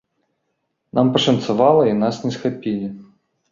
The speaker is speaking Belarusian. Нам пашанцавала, і нас не схапілі.